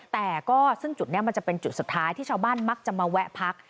แต่ก็ซึ่งจุดนี้มันจะเป็นจุดสุดท้ายที่ชาวบ้านมักจะมาแวะพัก